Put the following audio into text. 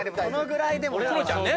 クロちゃんね。